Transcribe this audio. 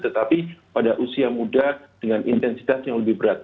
tetapi pada usia muda dengan intensitas yang lebih berat